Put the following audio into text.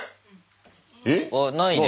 えっ？ないね。